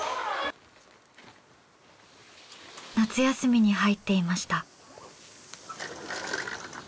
夏休みに入っていました。